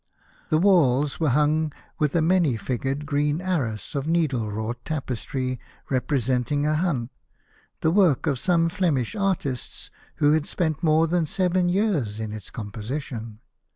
The walls were hung with a many figured green arras of needle wrought tapestry representing a hunt, the work of some Flemish artists who had spent more than seven years in its composition.